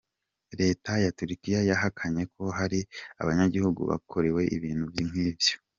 Reta ya Turkia yahakanye ko hari abanyagihugu bakorewe ibintu nk’ivyo.